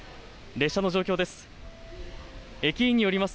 列車の状況です。